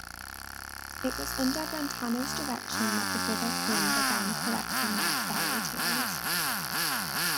It was under Brentano's direction that the Brothers Grimm began collecting their fairytales.